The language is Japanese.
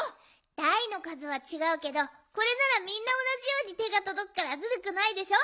だいのかずはちがうけどこれならみんなおなじようにてがとどくからずるくないでしょ？